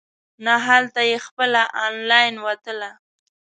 نه هلته یې خپله انلاین وتله.